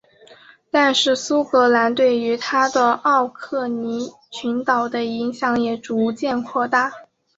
但是苏格兰对于它和奥克尼群岛的影响也逐渐扩大。